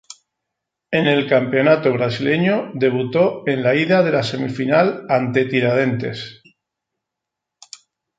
En el campeonato brasileño debutó en la ida de la semifinal ante Tiradentes.